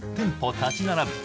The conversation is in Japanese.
立ち並ぶ